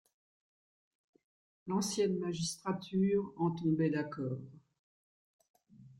L'ancienne magistrature en tombait d'accord.